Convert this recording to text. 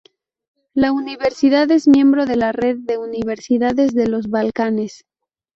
La universidad es miembro de la red de universidades de los Balcanes.